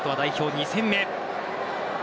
２戦目。